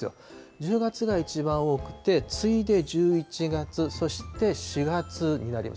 １０月が一番多くて、次いで１１月、そして４月になります。